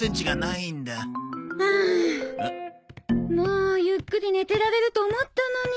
もうゆっくり寝てられると思ったのに。